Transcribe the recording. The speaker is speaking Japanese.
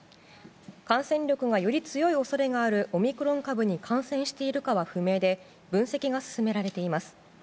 感染力がより強い恐れがあるオミクロン株に感染しているかは不明で分析が進められています。